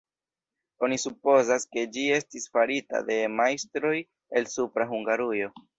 Oni supozas, ke ĝi estis farita de majstroj el Supra Hungarujo.